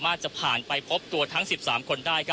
คุณทัศนาควดทองเลยค่ะ